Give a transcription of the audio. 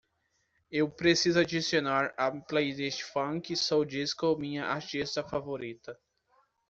Eu preciso adicionar à playlist funk soul disco minha artista favorita